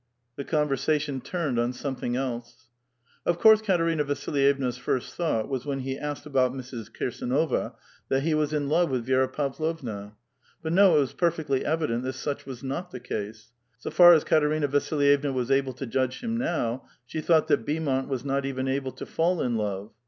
The conversation turned on something else. . Of course Katerina Vasilyevna's firet thought was when he asked about Mrs. Kirsdnova, that he was in love with Vi^ra Pavlovna. But no ; it was perfectly evident that such was not the case. So far as Katerina Vasilyevna was able to judge him now, she thought that Beaumont was not even able to fall in love.